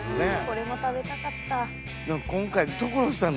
これも食べたかった。